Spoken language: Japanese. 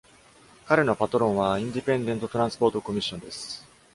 彼のパトロンは Independent Transport Commission です。